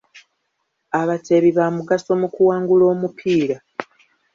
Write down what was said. Abateebi baamugaso mu kuwangula omupiira.